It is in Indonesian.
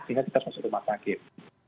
sehingga kita masuk rumah sakit